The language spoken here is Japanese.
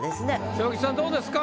昇吉さんどうですか？